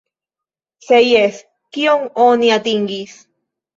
Se jes, kion oni atingis?